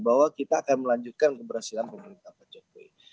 bahwa kita akan melanjutkan keberhasilan pemerintah pak jokowi